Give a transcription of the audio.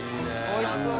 おいしそう。